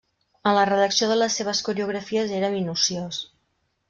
En la redacció de les seves coreografies era minuciós.